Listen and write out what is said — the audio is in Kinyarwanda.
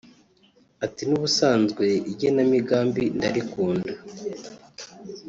Ati “N’ubusanzwe igenamigambi ndarikunda